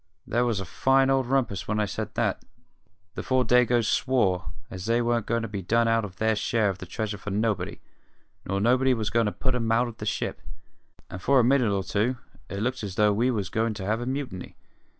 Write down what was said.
"There was a fine old rumpus when I said that. The four Dagoes swore as they wasn't goin' to be done out of their share of the treasure for nobody, nor nobody wasn't goin' to put 'em out of the ship; and for a minute or two it looked as though we was goin' to have a mutiny.